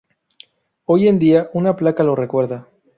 Hoy en día, una placa lo recuerda.